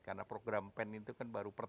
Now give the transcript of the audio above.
karena program pen itu kan baru pertama